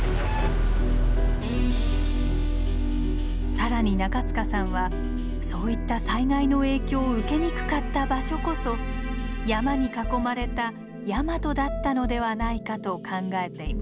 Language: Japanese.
更に中さんはそういった災害の影響を受けにくかった場所こそ山に囲まれたヤマトだったのではないかと考えています。